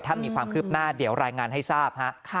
ถ้ามีความคืบหน้าเดี๋ยวรายงานให้ทราบฮะ